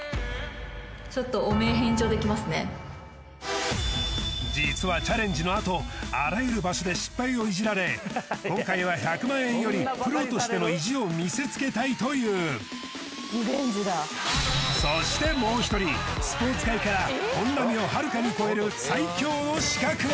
ちょっと実はチャレンジのあとあらゆる場所で失敗をイジられ今回は１００万円よりプロとしての意地を見せつけたいというそしてもう一人スポーツ界から本並をはるかに超える最強の刺客が！